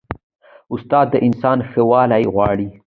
استاد د انسان ښه والی غواړي.